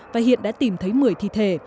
và hiện đã tìm thấy một mươi thi thể